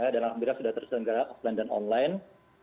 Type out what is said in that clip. dan alhamdulillah sudah terselenggarakan offline dan online